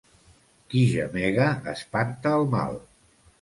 Qui gemega espanta el mal.